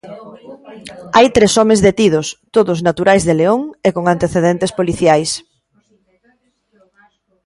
Hai tres homes detidos, todos naturais de León e con antecedentes policiais.